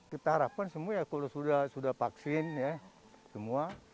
kita harapkan semua ya kalau sudah vaksin ya semua